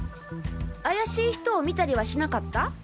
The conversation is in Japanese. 怪しい人を見たりはしなかった？